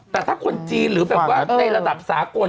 แต่ถ้าคนจีนหรือแบบว่าในระดับสากล